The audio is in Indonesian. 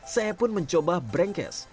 saya pun mencoba brenkes